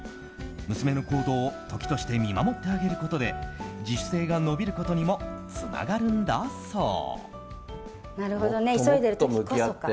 娘の行動を時として見守ってあげることで自主性が伸びることにもつながるんだそう。